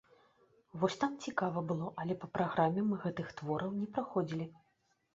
Вось там цікава было, але па праграме мы гэтых твораў не праходзілі.